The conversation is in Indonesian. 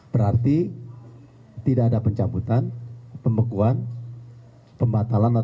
berarti tidak ada pencabutan pembekuan pembatalan atau penundaan